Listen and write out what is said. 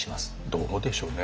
どうでしょうね